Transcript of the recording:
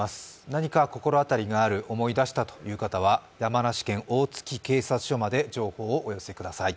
何か心当たりがある、思い出したという方は山梨県大月警察署まで情報をお寄せください。